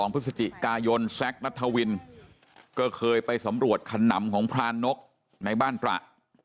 พฤศจิกายนแซคนัทวินก็เคยไปสำรวจขนำของพรานกในบ้านตระ